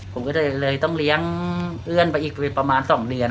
ผมก็เลยต้องเลี้ยงเพื่อนไปอีกประมาณ๒เดือน